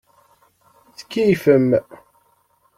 Tkeyyfem.